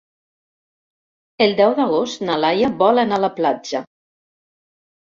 El deu d'agost na Laia vol anar a la platja.